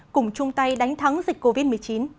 cùng chung tay đánh thắng dịch covid một mươi chín